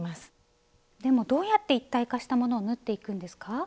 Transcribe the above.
でもどうやって一体化したものを縫っていくんですか？